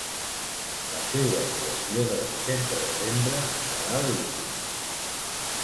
La seua actuació del disset de desembre serà l’última.